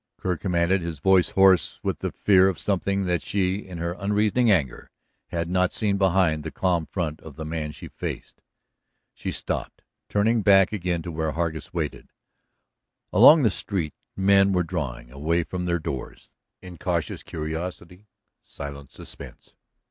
Kerr commanded, his voice hoarse with the fear of something that she, in her unreasoning anger, had not seen behind the calm front of the man she faced. She stopped, turning back again to where Hargus waited. Along the street men were drawing away from their doors, in cautious curiosity, silent suspense.